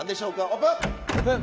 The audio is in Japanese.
オープン！